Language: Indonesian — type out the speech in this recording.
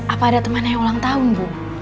apa ada teman yang ulang tahun bu